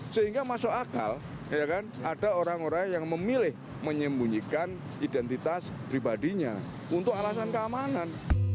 sehingga masuk akal ada orang orang yang memilih menyembunyikan identitas pribadinya untuk alasan keamanan